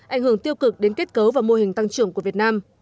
ảnh hưởng tiêu cực đến kết cấu và mô hình tăng trưởng của việt nam